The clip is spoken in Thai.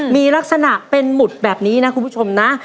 มีลักษณะเป็นหมุดแบบนี้นะคุณผู้ชมนะ